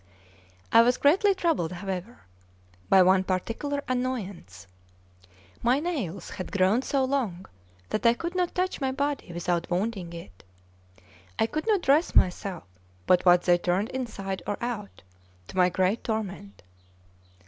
I was greatly troubled, however, by one particular annoyance: my nails had grown so long that I could not touch my body without wounding it; I could not dress myself but what they turned inside or out, to my great torment.